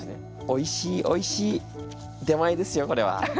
おいしいおいしい出前ですよこれは。